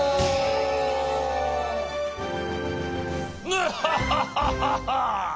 ヌハハハハハ！